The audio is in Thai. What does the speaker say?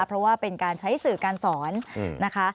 เพราะว่าเป็นการใช้สื่อการสอนนะคะ